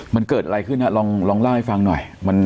มันเกิดอะไรขึ้นลองเล่าให้ฟังหน่อย